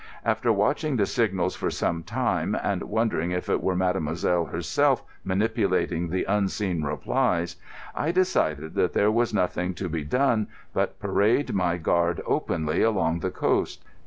After watching the signals for some time, and wondering if it were mademoiselle herself manipulating the unseen replies, I decided that there was nothing to be done but parade my guard openly along the coast.